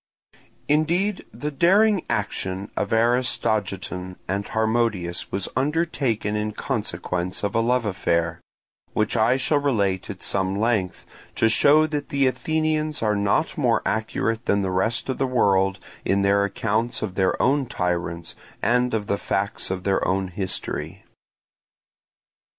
Indeed, the daring action of Aristogiton and Harmodius was undertaken in consequence of a love affair, which I shall relate at some length, to show that the Athenians are not more accurate than the rest of the world in their accounts of their own tyrants and of the facts of their own history.